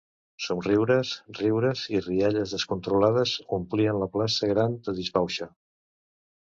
Somriures, riures i rialles descontrolades omplien la plaça gran de disbauxa